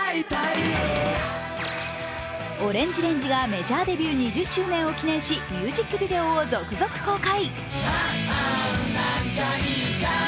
ＯＲＡＮＧＥＲＡＮＧＥがメジャーデビュー２０周年を記念しミュージックビデオを続々公開。